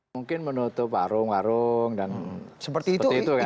mungkin menutup warung warung dan seperti itu kan